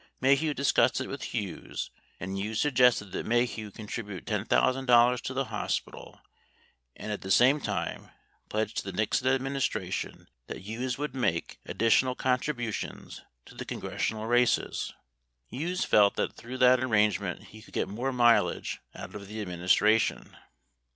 Maheu discussed it with Hughes, and Hughes sug gested that Maheu contribute $10,000 to the hospital and, at the same time, pledge to the Nixon administration that Hughes would make additional contributions to the congressional races. Hughes felt that through that arrangement he would get more mileage out of the administration.